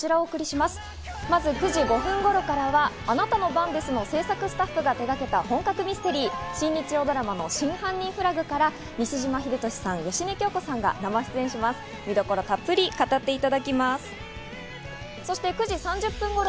まず９時５分頃からは『あなたの番です』の制作スタッフが手がけた本格ミステリー、新日曜ドラマの『真犯人フラグ』から西島秀俊さん、芳根京子さんが生出演します。